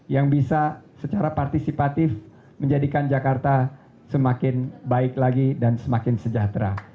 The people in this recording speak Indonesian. yang bisa secara partisipatif menjadikan jakarta semakin baik lagi dan semakin sejahtera